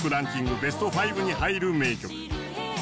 ベスト５に入る名曲。